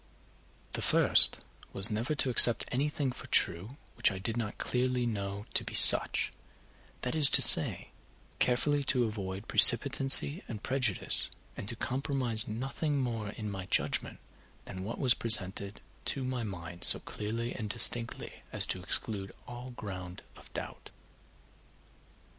The first was never to accept anything for true which I did not clearly know to be such; that is to say, carefully to avoid precipitancy and prejudice, and to comprise nothing more in my judgement than what was presented to my mind so clearly and distinctly as to exclude all ground of doubt.